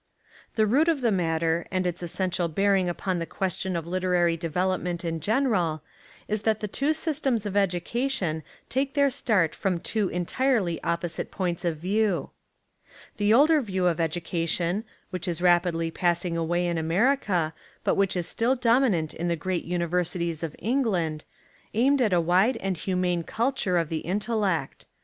The root of the matter and its essential bear ing upon the question of literary development in general is that the two systems of education take their start from two entirely opposite points of view. 75 Essays and Literary Studies The older view of education, which is rap idly passing away in America, but which is still dominant in the great Universities of Eng land, aimed at a wide and humane culture of the intellect.